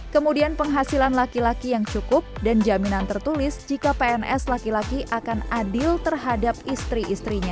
kemudian penghasilan laki laki yang cukup dan jaminan tertulis jika pns laki laki akan adil terhadap istri istrinya